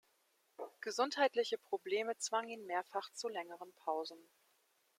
Gesundheitliche Probleme zwangen ihn mehrfach zu längeren Pausen.